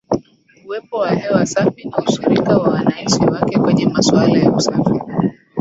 Uwepo wa hewa safi na ushiriki wa wananchi wake kwenye masuala ya usafi